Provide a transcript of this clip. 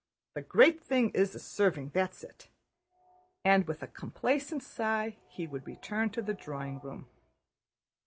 The great thing is the serving, that's it." And with a complacent sigh he would return to the drawing room.